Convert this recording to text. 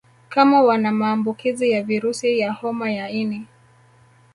kama wana maambukizi ya virusi wa homa ya ini